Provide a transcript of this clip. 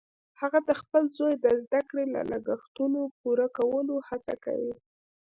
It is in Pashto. هغه د خپل زوی د زده کړې د لګښتونو پوره کولو هڅه کوي